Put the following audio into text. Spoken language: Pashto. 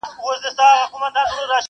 او خزان یې خدایه مه کړې د بهار تازه ګلونه،